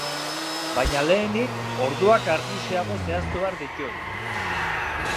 Baina lehenik, orduak argixeago zehaztu behar ditut.